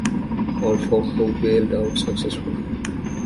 All four crew bailed out successfully.